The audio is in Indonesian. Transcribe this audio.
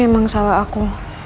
emang salah aku